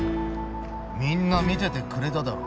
みんな見ててくれただろ